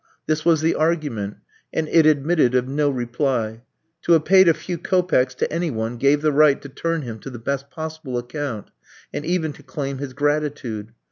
This was the argument, and it admitted of no reply. To have paid a few kopecks to any one gave the right to turn him to the best possible account, and even to claim his gratitude.